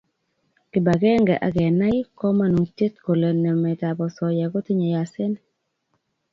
Kibagenge ak Kenai komonutiet kole nametab osoya kotinyei asen